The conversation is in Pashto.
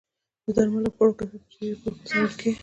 د درملو او خوړو کیفیت په جدي توګه څارل کیږي.